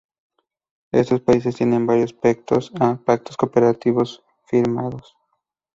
Estos países tienen varios pactos de cooperación firmados.